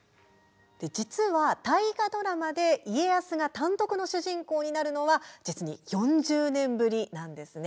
実は、大河ドラマで家康が単独の主人公になるのは実に４０年ぶりなんですね。